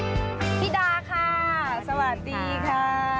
พี่ดาค่ะสวัสดีค่ะ